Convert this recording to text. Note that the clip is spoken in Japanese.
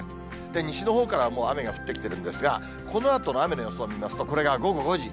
西のほうから雨が降ってきてるんですが、このあとの雨の予想を見ますと、これが午後５時。